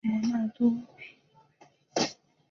摩纳哥法郎和法国法郎等值。